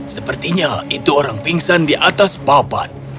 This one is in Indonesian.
sepertinya itu orang pingsan di atas papan